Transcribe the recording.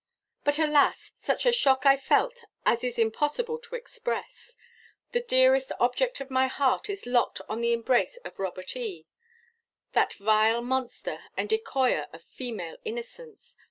But, alas! such a shock I felt as is impossible to express. The dearest object of my heart is locked in the embrace of Robert E that vile monster and decoyer of female innocence.